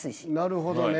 なるほどね。